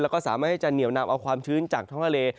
แล้วก็สามารถให้จะเหนียวนำเอาความชื้นจากท้องทะเล